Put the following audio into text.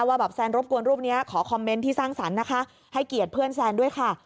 ว่าแบบแซนรบกวนรูปนี้ขอคอมเมนต์ที่สร้างสรรค์นะคะให้เกียรติเพื่อนแซนด้วยค่ะ